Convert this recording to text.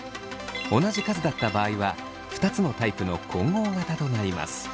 同じ数だった場合は２つのタイプの混合型となります。